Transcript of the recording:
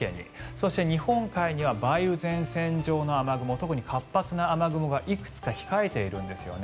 そして、日本海には梅雨前線上の雨雲特に活発な雨雲がいくつか控えているんですね。